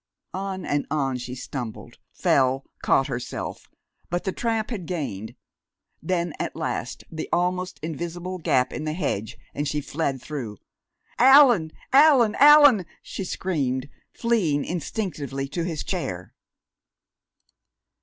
On and on she stumbled, fell, caught herself but the tramp had gained. Then at last the almost invisible gap in the hedge, and she fled through. "Allan! Allan! Allan!" she screamed, fleeing instinctively to his chair.